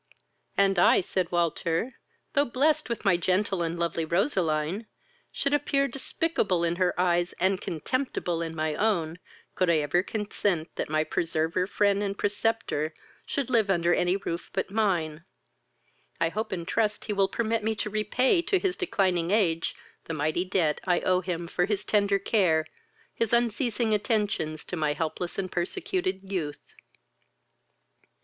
"And I, (said Walter,) though blessed with my gentle and lovely Roseline, should appear despicable in her eyes, and contemptible in my own, could I ever consent that my preserver, friend, and preceptor, should live under any roof but mine. I hope and trust he will permit me to repay to his declining age the mighty debt I owe him for his tender care, his unceasing attentions to my helpless and persecuted youth."